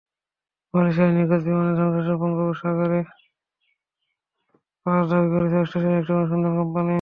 মালয়েশিয়ার নিখোঁজ বিমানের ধ্বংসাবশেষ বঙ্গোপসাগরে পাওয়ার দাবি করেছে অস্ট্রেলিয়ার একটি অনুসন্ধান কোম্পানি।